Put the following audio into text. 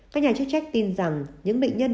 các nhà chức trách tin rằng những bệnh nhân